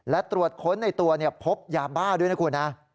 และตรวจค้นในตัวพบยาบ้าด้วยนะคุณนะ